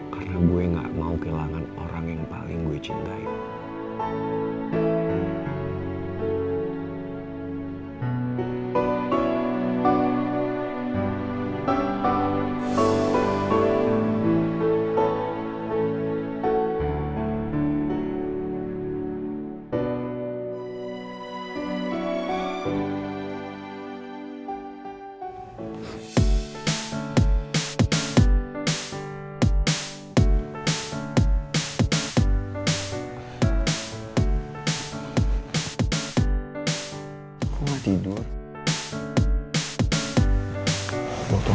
karena gue gak mau ada kejadian buruk lagi yang menimpa lo